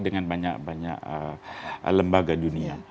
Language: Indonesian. dengan banyak banyak lembaga dunia